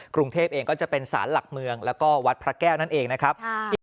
กรุงเทพเองก็จะเป็นสารหลักเมืองแล้วก็วัดพระแก้วนั่นเองนะครับ